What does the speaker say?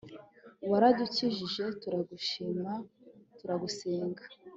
waradukijije, turagushima, turagusenga